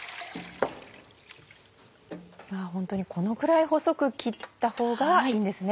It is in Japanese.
ホントにこのぐらい細く切ったほうがいいんですね。